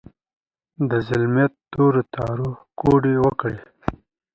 د ظلمت تورو تیارو، کوډې وکړې